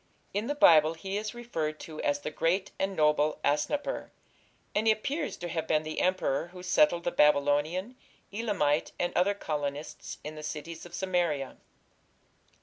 In the Bible he is referred to as "the great and noble Asnapper", and he appears to have been the emperor who settled the Babylonian, Elamite, and other colonists "in the cities of Samaria".